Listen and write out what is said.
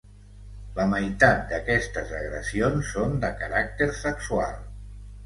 La meitat d’aquestes agressions són de caràcter sexual.